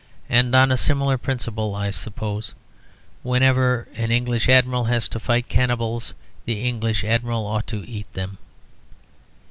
And on a similar principle (I suppose), whenever an English Admiral has to fight cannibals the English Admiral ought to eat them.